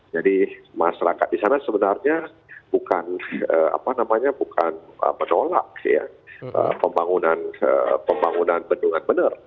jadi masyarakat di sana sebenarnya bukan menolak pembangunan bendungan